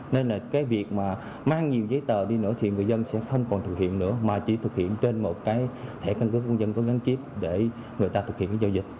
nên là cái việc mà mang nhiều giấy tờ đi nữa thì người dân sẽ không còn thực hiện nữa mà chỉ thực hiện trên một cái thẻ căn cước công dân có gắn chip để người ta thực hiện cái giao dịch